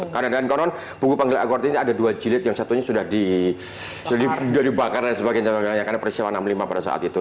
karena dengan konon buku panggil aku kartini ada dua jilid yang satunya sudah dibakar dan sebagainya karena peristiwa enam puluh lima pada saat itu